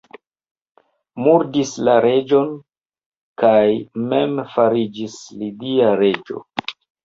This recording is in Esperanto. Murdis la reĝon kaj mem fariĝis lidia reĝo.